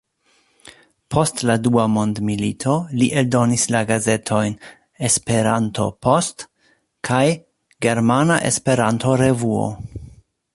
Post la dua mondmilito li eldonis la gazetojn "Esperanto-Post" kaj "Germana Esperanto-Revuo.